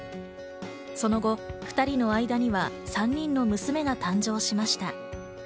その後２人の間には３人の娘が誕生しました。